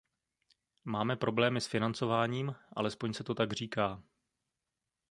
Máme problémy s financováním, alespoň se to tak říká.